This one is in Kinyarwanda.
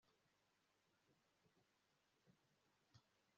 bagera nko ku bihumbi ijana na makumyabiri